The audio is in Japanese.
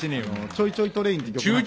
「ちょいちょいトレイン」って曲なんかね。